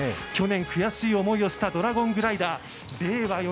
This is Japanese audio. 去年、悔しい思いをしたドラゴングライダー令和